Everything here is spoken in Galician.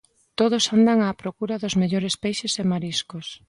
Todos andan á procura dos mellores peixes e mariscos.